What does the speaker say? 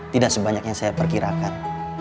tidak sebanyak yang saya perkirakan